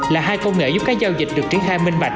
là hai công nghệ giúp các giao dịch được triển khai minh bạch